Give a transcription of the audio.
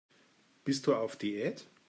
Bist du auf Diät?